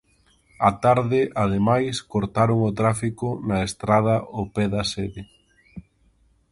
Á tarde, ademais, cortaron o tráfico na estrada ao pé da sede.